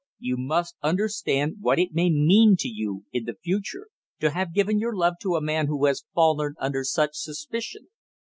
You must understand what it may mean to you in the future, to have given your love to a man who has fallen under such suspicion.